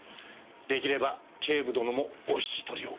出来れば警部殿もお引き取りを。